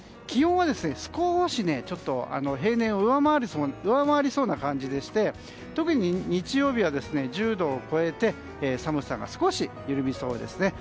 気温は少し平年を上回りそうな感じでして特に日曜日は、１０度を超えて寒さが少し緩みそうです。